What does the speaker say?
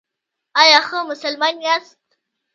ایا ښه مسلمان یاست؟